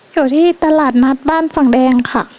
อยู่ที่ตลาดนัดบ้านฝั่งแดงค่ะ